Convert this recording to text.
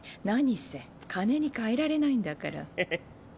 何せ金に換えられないんだから。へへっ。